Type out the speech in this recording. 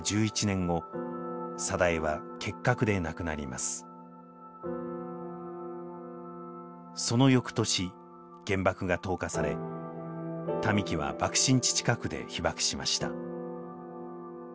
しかしその翌年原爆が投下され民喜は爆心地近くで被爆しました。